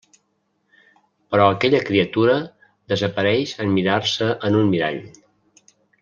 Però aquella criatura desapareix en mirar-se en un mirall.